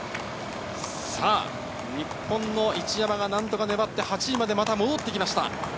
日本の一山がなんとか粘って８位までまた戻ってきました。